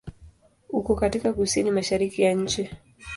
Uko katika kusini-mashariki ya nchi.